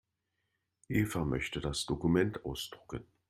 Eva möchte das Dokument ausdrucken.